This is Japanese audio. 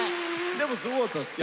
でもすごかったですね。